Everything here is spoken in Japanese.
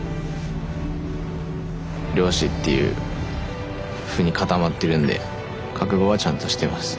漁師っていうふうに固まってるんで覚悟はちゃんとしてます。